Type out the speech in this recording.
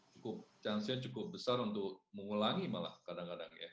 cukup chance nya cukup besar untuk mengulangi malah kadang kadang ya